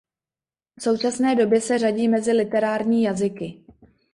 V současné době se řadí mezi literární jazyky.